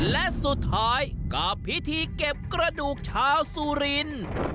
และสุดท้ายกับพิธีเก็บกระดูกชาวสุรินทร์